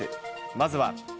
まずは。